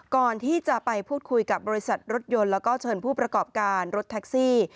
ก่อนที่จะไปพูดคุยกับบริษัทรถยนต์แล้วก็เชิญผู้ประกอบการรถแท็กซี่